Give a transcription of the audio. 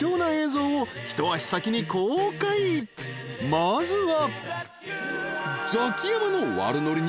［まずは］